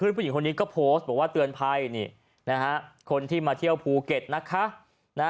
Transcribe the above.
ผู้หญิงคนนี้ก็โพสต์บอกว่าเตือนภัยนี่นะฮะคนที่มาเที่ยวภูเก็ตนะคะ